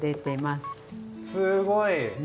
すごい！ね。